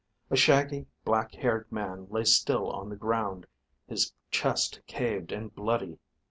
A shaggy, black haired man lay still on the ground, his chest caved and bloody.